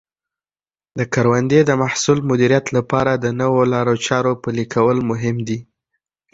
د کروندې د محصول مدیریت لپاره د نوو لارو چارو پلي کول مهم دي.